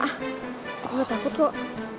nggak takut kok